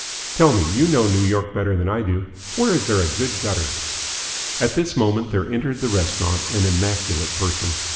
Tell me you know New York better than I do where is there a good gutter?" At this moment there entered the restaurant an Immaculate Person.